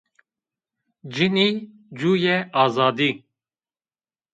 Cinî, cuye, azadî!